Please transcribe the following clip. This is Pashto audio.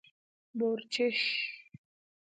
🐊 بورچېش